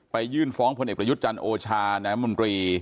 ยื่นฟ้องพลเอกประยุทธ์จันทร์โอชานายมนตรี